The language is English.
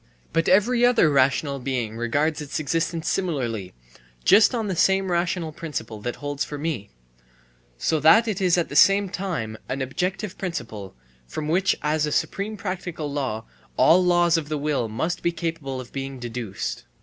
But every other rational being regards its existence similarly, just on the same rational principle that holds for me: * so that it is at the same time an objective principle, from which as a supreme practical law all laws of the will must be capable of being deduced.